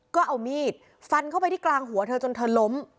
ก็เอามีดฟันเข้าไปที่กลางหัวเธอจนเธอล้ม